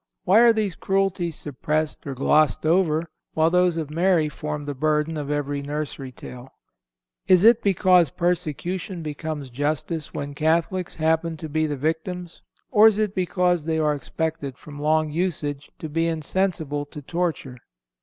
Why are these cruelties suppressed or glossed over, while those of Mary form the burden of every nursery tale? Is it because persecution becomes justice when Catholics happen to be the victims, or is it because they are expected, from long usage, to be insensible to torture?